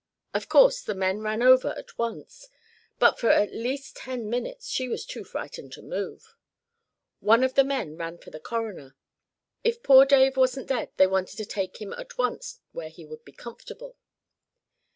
Of course the men ran over at once, but for at least ten minutes she was too frightened to move. One of the men ran for the coroner; if "poor Dave" wasn't dead they wanted to take him at once where he would be comfortable.